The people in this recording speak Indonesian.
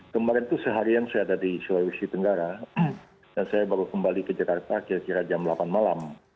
kemarin itu seharian saya ada di sulawesi tenggara dan saya baru kembali ke jakarta kira kira jam delapan malam